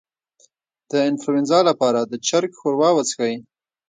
د انفلونزا لپاره د چرګ ښوروا وڅښئ